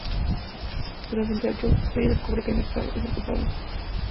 Tras investigar los hechos, Teddy descubre que McCall es el culpable.